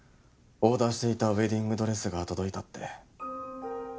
オーダーしていたウェディングドレスが届いたって。